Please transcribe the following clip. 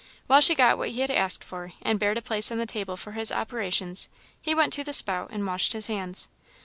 While she got what he had asked for, and bared a place on the table for his operations, he went to the spout and washed his hands.